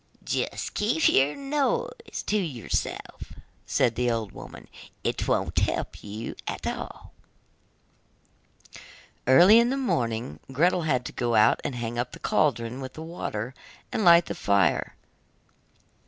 'Just keep your noise to yourself,' said the old woman, 'it won't help you at all.' Early in the morning, Gretel had to go out and hang up the cauldron with the water, and light the fire.